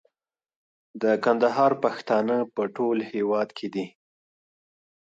د کندهار پښتانه په ټول هيواد کي دي